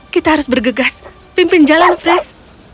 kita harus bergegas pimpin jalan fresh